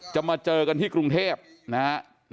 มาเจอกันที่กรุงเทพนะฮะ